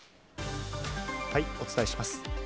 お伝えします。